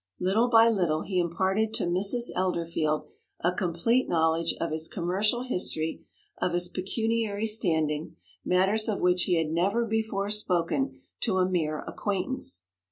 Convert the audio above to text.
Little by little he imparted to Mrs. Elderfield a complete knowledge of his commercial history, of his pecuniary standing matters of which he had never before spoken to a mere acquaintance.